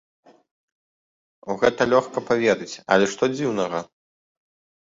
У гэта лёгка паверыць, але што дзіўнага?